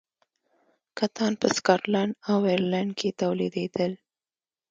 کتان په سکاټلند او ایرلنډ کې تولیدېدل.